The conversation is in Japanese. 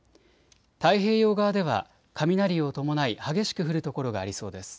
太平洋側では雷を伴い激しく降る所がありそうです。